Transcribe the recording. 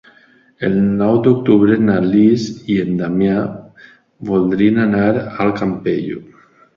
El nou d'octubre na Lis i en Damià voldrien anar al Campello.